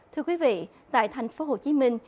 thưa quý vị tại thành phố hồ chí minh